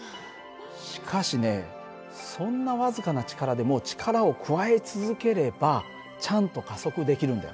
しかしねそんな僅かな力でも力を加え続ければちゃんと加速できるんだよ。